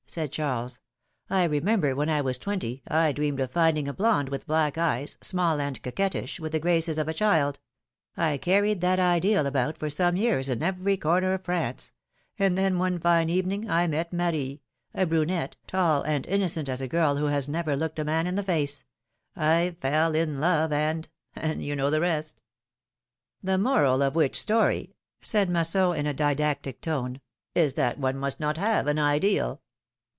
said Charles. remember when I was twenty I dreamed of finding a blonde with black eyes, small and coquettish, with the graces of a child; I carried that ideal about for some years in every corner of France ; and then one fine evening I met Marie, a brunette, tall and innocent as a girl who has never looked a man in the face ; I fell in love, and — you know the rest !" PHILOMJ^NE^S MARRIAGES. 137 The moral of which story/' said Jlasson, in a didactic tone, ^^is, that one must not have an ideal